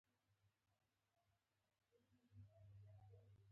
شولې چې کله پخې شي له لو وروسته غوبلیږي.